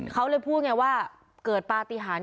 เขาเลยพูดไงว่าเกิดปฏิหาร